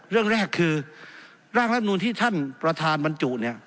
เรื่องแรกคือร่างรัฐมนุนที่ท่านประธานบรรจุเนี่ย